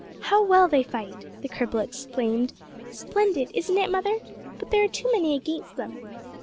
"How well they fight!" the cripple exclaimed. "Splendid! isn't it, mother? But there are too many against them.